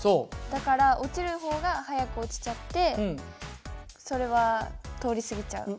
だから落ちる方が早く落ちちゃってそれは通り過ぎちゃう。